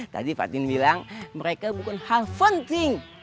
tadi fatin bilang mereka bukan hal founting